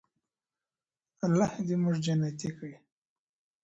الله دې موږ جنتي کړي.